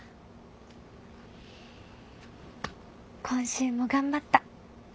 今週も頑張った。